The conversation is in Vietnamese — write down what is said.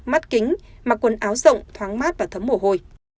mắt kính mặc quần áo rộng thoáng mát và thấm mồ hôi